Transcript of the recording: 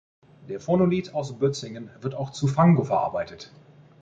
Der Phonolith aus Bötzingen wird auch zu Fango verarbeitet.